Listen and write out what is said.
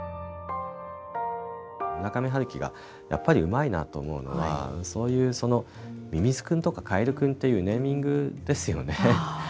村上春樹がやっぱりうまいなと思うのはそういう、みみずくんとかかえるくんというネーミングですよね。